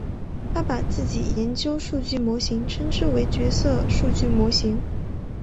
他把自己研究数据模型称之为角色数据模型。